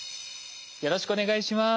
よろしくお願いします。